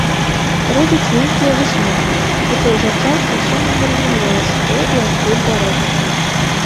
Робяць нейкія высновы, у той жа час зусім не зразумела, што і адкуль бярэцца.